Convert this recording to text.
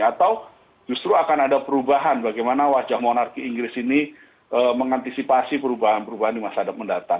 atau justru akan ada perubahan bagaimana wajah monarki inggris ini mengantisipasi perubahan perubahan di masa depan mendatang